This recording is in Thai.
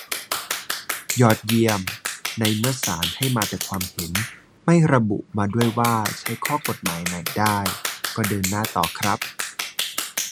ยอดเยี่ยม ในเมื่อศาลให้มาแต่ความเห็น ไม่ระบุมาด้วยว่าใช้ข้อกฎหมายไหนได้ ก็เดินหน้าต่อครับ